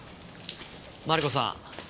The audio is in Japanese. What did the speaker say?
マリコさん